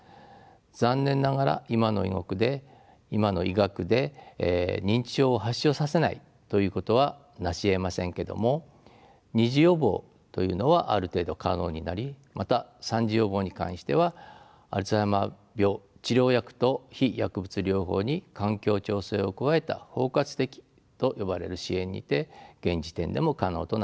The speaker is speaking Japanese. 残念ながら今の医学で認知症を発症させないということはなしえませんけども２次予防というのはある程度可能になりまた３次予防に関してはアルツハイマー病治療薬と非薬物療法に環境調整を加えた包括的と呼ばれる支援にて現時点でも可能となっています。